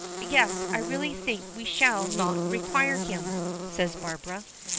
"Yes, I really think we shall not require him," says Barbara.